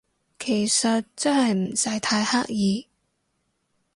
其實真係唔使太刻意